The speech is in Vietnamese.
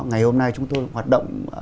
ngày hôm nay chúng tôi hoạt động